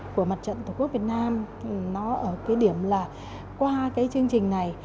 của mặt trận tổ quốc việt nam nó ở cái điểm là qua cái chương trình này